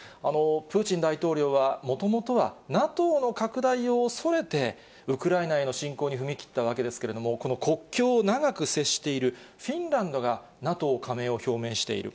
プーチン大統領は、もともとはＮＡＴＯの拡大を恐れて、ウクライナへの侵攻に踏み切ったわけですけれども、この国境を長く接しているフィンランドがＮＡＴＯ加盟を表明している。